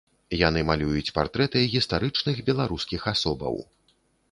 Яны малююць партрэты гістарычных беларускіх асобаў.